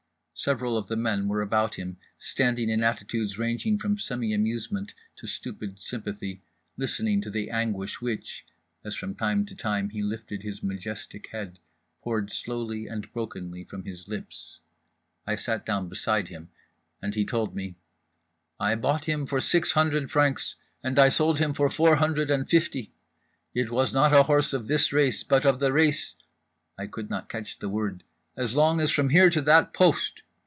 Several of the men were about him, standing in attitudes ranging from semi amusement to stupid sympathy, listening to the anguish which—as from time to time he lifted his majestic head—poured slowly and brokenly from his lips. I sat down beside him. And he told me: "I bought him for six hundred francs, and I sold him for four hundred and fifty … it was not a horse of this race, but of the race" (I could not catch the word) "as long as from here to that post.